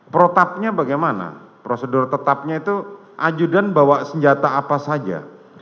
protapnya bagaimana prosedur tetapnya itu ajudan bawa senjata apa saja